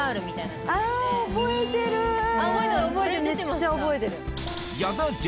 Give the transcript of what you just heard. それめっちゃ覚えてる。